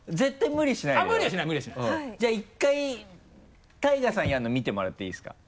無理はしない無理はしないじゃあ１回ＴＡＩＧＡさんやるの見てもらっていいですか？